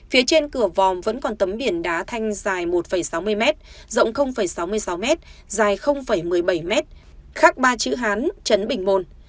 phía trên cửa vòm vẫn còn tấm biển đá thanh dài một sáu mươi m rộng sáu mươi sáu m dài một mươi bảy m khác ba chữ hán chấn bình môn